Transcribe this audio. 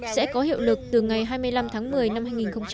sẽ có hiệu lực từ ngày hai mươi năm tháng một mươi năm hai nghìn một mươi tám